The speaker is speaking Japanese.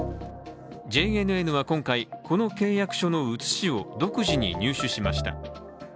ＪＮＮは今回、この契約書の写しを独自に入手しました。